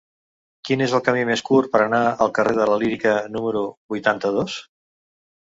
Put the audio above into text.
Quin és el camí més curt per anar al carrer de la Lírica número vuitanta-dos?